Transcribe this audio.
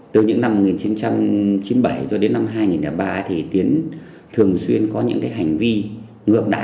từ những năm một nghìn chín trăm chín mươi bảy cho đến năm hai nghìn ba thì tiến thường xuyên có những hành vi ngược đá